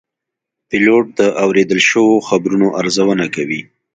پیلوټ د اورېدل شوو خبرونو ارزونه کوي.